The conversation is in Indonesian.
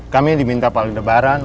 kami diminta pak aldebaran